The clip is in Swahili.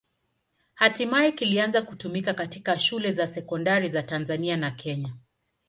Hatimaye kilianza kutumika katika shule za sekondari za Tanzania na Kenya.